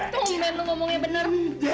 tunggu men lo ngomongnya bener